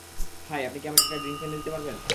High, আপনি কি আমাকে একটা ডিংক্স কিনে দিতে পারবেন?